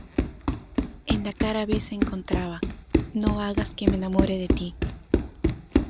En la cara B se encontraba "No hagas que me enamore de ti".